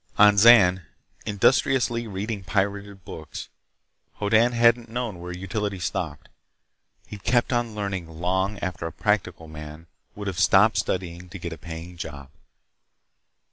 On Zan, industriously reading pirated books, Hoddan hadn't known where utility stopped. He'd kept on learning long after a practical man would have stopped studying to get a paying job.